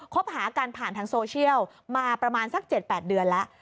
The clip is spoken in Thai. หากันผ่านทางโซเชียลมาประมาณสัก๗๘เดือนแล้ว